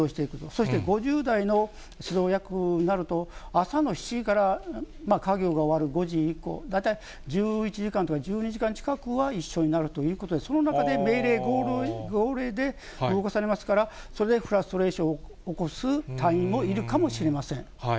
そして、５０代の指導役になると、朝の７時から作業が終わる５時以降、大体１１時間とか１２時間近くは一緒になるということで、その中で命令、号令で動かされますから、それでフラストレーションを起こす隊員もいるかもしれません。